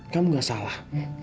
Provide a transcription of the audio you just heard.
kamu nggak salah